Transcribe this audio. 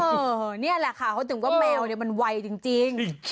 เออนี่แหละค่ะเขาถึงว่าแมวมันไวจริง